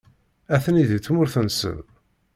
Atni deg tmurt-nsen.